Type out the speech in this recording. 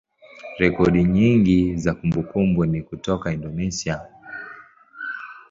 rekodi nyingi za kumbukumbu ni kutoka Indonesia.